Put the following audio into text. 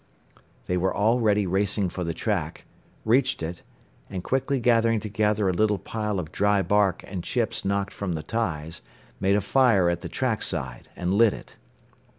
They were already racing for the track, reached it, and quickly gathering together a little pile of dry bark and chips knocked from the ties, made a fire at the track side, and lit it.